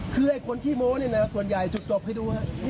คือไอ้คนขี้โม้นี่นะส่วนใหญ่จุดจบให้ดู